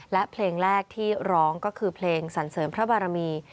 และเพลงแรกที่ร้องก็คือเพลงสรรเสริมพระบารมี